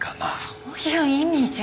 そういう意味じゃ。